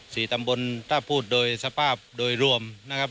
สี่ตำบลถ้าพูดโดยสภาพโดยรวมนะครับ